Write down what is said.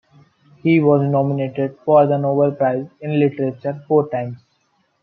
He was nominated for the Nobel Prize in Literature four times.